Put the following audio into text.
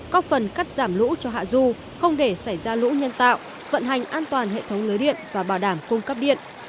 có phần cắt giảm lũ cho hạ du không để xảy ra lũ nhân tạo vận hành an toàn hệ thống lưới điện và bảo đảm cung cấp điện